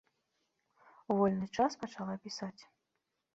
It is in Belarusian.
У вольны час пачала пісаць.